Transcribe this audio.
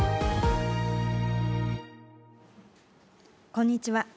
こんにちは。